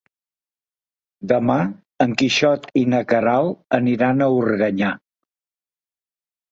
Demà en Quixot i na Queralt aniran a Organyà.